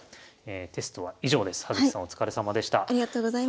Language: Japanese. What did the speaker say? テストは以上です。